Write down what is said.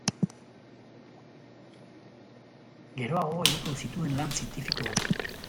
Geroago egingo zituen lan zientifiko batzuk.